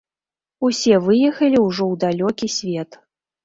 Усе выехалі ўжо ў далёкі свет.